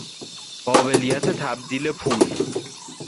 قابلیّت تبدیل پول